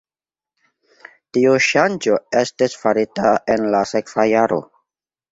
Tiu ŝanĝo estis farita en la sekva jaro.